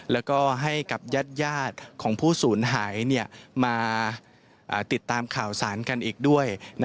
แล้วก็ให้กับญาติของผู้สูญหายมาติดตามข่าวสารกันอีกด้วย